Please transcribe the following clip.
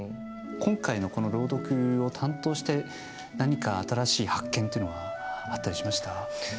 今回のこの朗読を担当して何か新しい発見というのはあったりしました？